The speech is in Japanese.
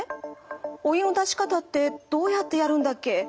「お湯の出し方ってどうやってやるんだっけ？」。